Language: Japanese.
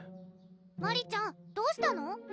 マリちゃんどうしたの？